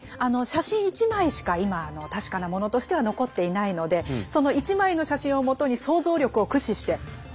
写真１枚しか今確かなものとしては残っていないのでその１枚の写真をもとに想像力を駆使して。